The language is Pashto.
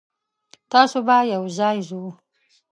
تاسو به یوځای ځو.